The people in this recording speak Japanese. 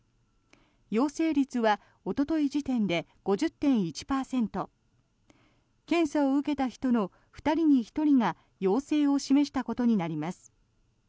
陽性率はおととい時点で５０．１％検査を受けた人の２人に１人が陽性を示したことになります。